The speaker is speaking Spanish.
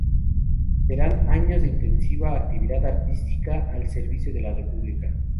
Serán años de intensa actividad artística al servicio de la República.